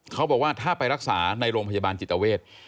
เขาบอกว่าถ้าไปรักษาในโรงพยาบาลจิตเวท